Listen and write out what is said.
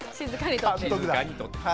静かに撮ってる。